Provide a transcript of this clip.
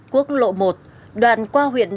quốc lộ một đoạn qua huyện